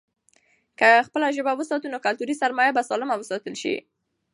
که خپله ژبه وساتو، نو کلتوري سرمايه به سالمه وساتل شي.